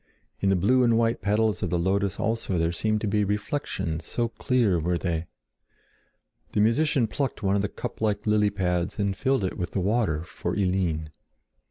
In the blue and white petals of the lotus also there seemed to be reflections, so clear were they. The musician plucked one of the cup like lily pads and filled it with the water for Eline.